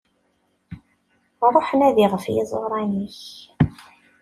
Ruḥ nadi ɣef yiẓuran-ik.